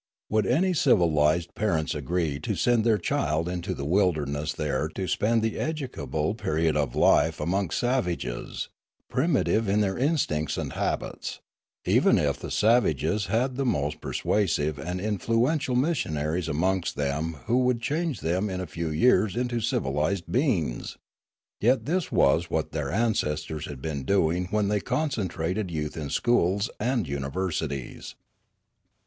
Would any civilised parents agree to send out their child into the wilderness there to spend the educable period of life amongst savages, primitive in their instincts and habits, even if the savages had the most persuasive and influential missionaries amongst them who would change them in a few years into civilised beings ? Yet this was what their ancestors had been doing when they concentrated youth in schools and universities.